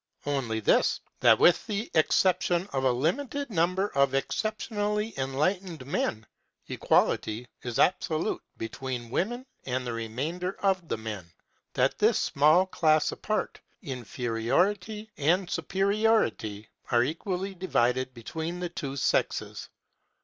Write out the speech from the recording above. Only this, that with the exception of a limited number of exceptionally enlightened men, equality is absolute between women and the remainder of the men; that this small class apart, inferiority and superiority are equally divided between the two sexes.